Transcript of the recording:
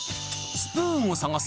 スプーンを探す